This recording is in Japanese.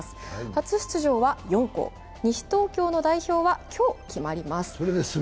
初出場は４校、西東京の代表は今日、決まります。